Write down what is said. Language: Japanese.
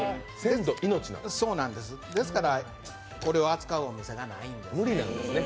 ですからこれを扱うお店がないんですね。